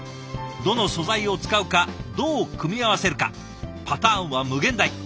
どの素材を使うかどう組み合わせるかパターンは無限大。